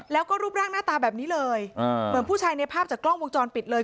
แล้วก็รูปร่างหน้าตาแบบนี้เลยเหมือนผู้ชายในภาพจากกล้องวงจรปิดเลย